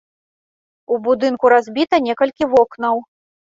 У будынку разбіта некалькі вокнаў.